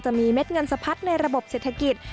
เม็ดเงินสะพัดในระบบเศรษฐกิจ